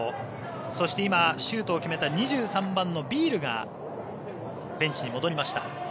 そして今、シュートを決めた２３番のビールがベンチに戻りました。